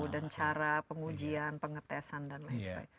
dan cara pengujian pengetesan dan lain sebagainya